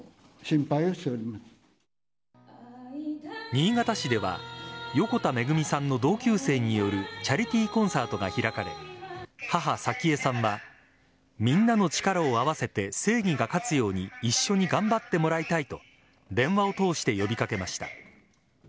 新潟市では横田めぐみさんの同級生によるチャリティーコンサートが開かれ母・早紀江さんはみんなの力を合わせて正義が勝つように一緒に頑張ってもらいたいと電話を通して呼び掛けました。